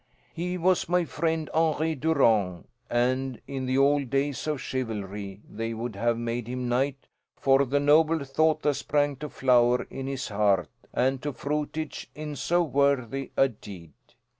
"He was my friend, Henri Durant, and in the old days of chivalry they would have made him knight for the noble thought that sprang to flower in his heart and to fruitage in so worthy a deed.